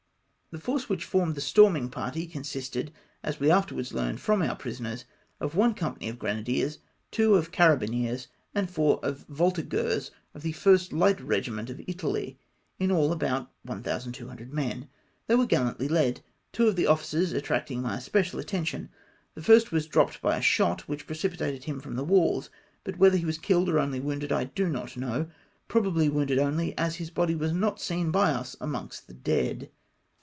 The force which formed the storming party, con sisted, as we afterwards learned from our prisoners, of one company of grenadiers, two of carabineers, and four of the voltigeurs of the 1st Light Eegiment of Italy, in all about 1200 men. They were gallantly led, two of the officers attracting my especial attention. The first was di'opped by a shot, which precipitated him from the walls, but whether he was killed or only wounded, I do not know, probably wounded only, as his body was not seen by us amongst the dead.